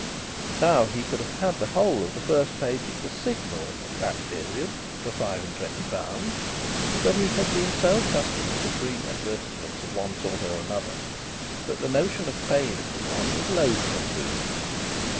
Now, he could have had the whole of the first page of the Signal (at that period) for five and twenty pounds. But he had been so accustomed to free advertisements of one sort or another that the notion of paying for one was loathsome to him.